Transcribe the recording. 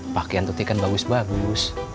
pakaian tuti kan bagus bagus